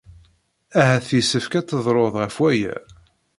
Ahat yessefk ad tedluḍ ɣef waya.